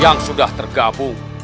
yang sudah tergabung